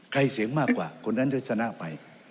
เสียงมากกว่าคนนั้นจะชนะไป